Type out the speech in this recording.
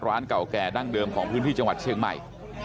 ร้านเก่าแก่ดั้งเดิมของพื้นที่จังหวัดเชียงใหม่